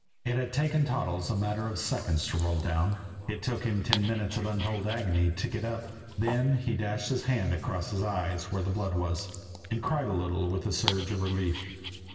It had taken Toddles a matter of seconds to roll down; it took him ten minutes of untold agony to get up. Then he dashed his hand across his eyes where the blood was, and cried a little with the surge of relief.